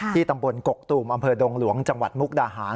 ตำบลกกตูมอำเภอดงหลวงจังหวัดมุกดาหาร